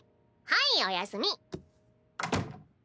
はいおやすみ。